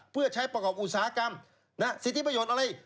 เพื่อใช้ประกอบอุตสาหกรรมสิทธิประโยชน์อะไร